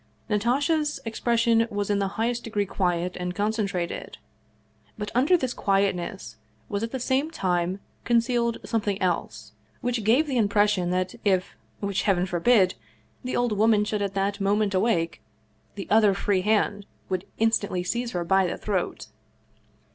Natasha's expression was in the highest degree quiet and concen trated, but under this quietness was at the same time con cealed something else, which gave the impression that if which Heaven forbid! the old woman should at that moment awake, the other free hand would instantly seize her by the throat.